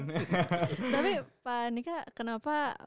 tapi pak andika kenapa